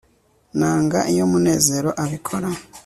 nanga iyo munezero abikora